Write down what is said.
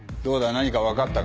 何か分かったか？